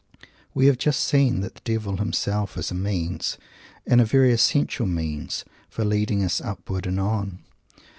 We have just seen that the Devil himself is a means, and a very essential means, for leading us "upward and on."